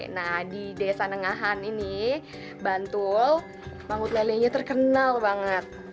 nah di desa nengahan ini bantul mangut lelenya terkenal banget